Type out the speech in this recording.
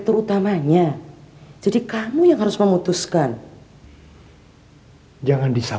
terus nanti malem kalau bisa